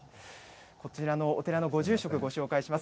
こちらのお寺のご住職、ご紹介します。